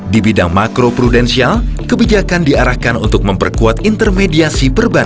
di bidang makro prudensial kebijakan diarahkan untuk memperkuat intermediasi perbankan